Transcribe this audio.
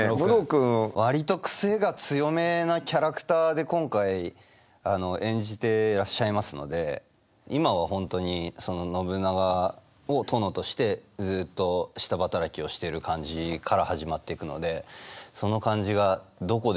割と癖が強めなキャラクターで今回演じてらっしゃいますので今は本当にその信長を殿としてずっと下働きをしている感じから始まっていくのでその感じがどこでどう変わってくのか。